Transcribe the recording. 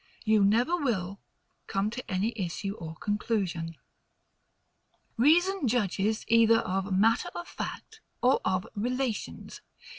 You never will come to any issue or conclusion. Reason judges either of MATTER OF FACT or of RELATIONS.